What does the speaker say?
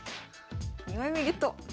２枚目ゲット！